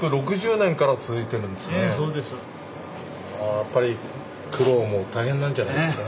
やっぱり苦労も大変なんじゃないですか？